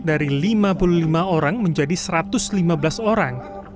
dari lima puluh lima orang menjadi satu ratus lima belas orang